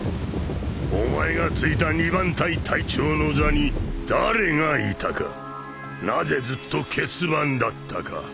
お前が就いた２番隊隊長の座に誰がいたかなぜずっと欠番だったか。